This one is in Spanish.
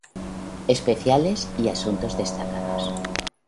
Especiales y asuntos destacados